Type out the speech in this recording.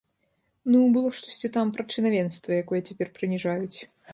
Ну, было штосьці там пра чынавенства, якое цяпер прыніжаюць.